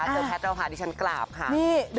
เจอแพทย์เราพาที่ฉลับความ